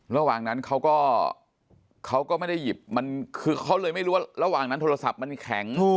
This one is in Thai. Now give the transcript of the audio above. ระหว่างนั้นเขาก็เขาก็ไม่ได้หยิบมันคือเขาเลยไม่รู้ว่าระหว่างนั้นโทรศัพท์มันแข็ง